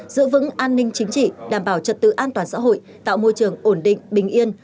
giữ vững an ninh chính trị đảm bảo trật tự an toàn xã hội tạo môi trường ổn định bình yên